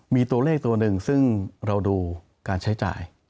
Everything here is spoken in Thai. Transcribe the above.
มีตัวเลขตัวหนึ่งซึ่งเราดูการใช้จ่าย